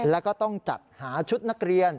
แล้วก็ต้องจัดหาชุดนักเรียน